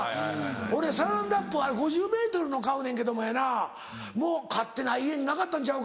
俺サランラップあれ５０ｍの買うねんけどもやな買ってない家になかったんちゃうか？